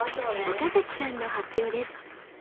岡崎さんの発表です。